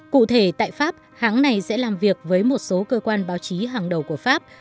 cụ thể tại pháp hãng này sẽ làm việc với một số cơ quan báo chí hàng đầu của pháp